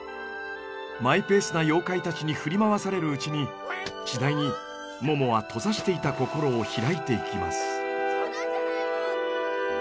マイペースな妖怪たちに振り回されるうちに次第にももは閉ざしていた心を開いていきます。